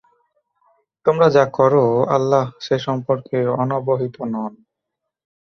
তোমরা যা কর আল্লাহ সে সম্বন্ধে অনবহিত নন।